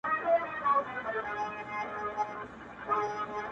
کندهار کي خو هوا نن د پکتيا ده!